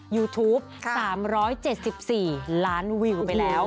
ยูทูป๓๗๔ล้านวิวไปแล้ว